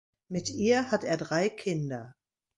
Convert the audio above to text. Mit ihr hat er drei Kinder.